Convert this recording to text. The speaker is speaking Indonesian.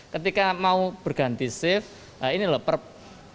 ketika mau berganti shift ini per apa namanya per apa namanya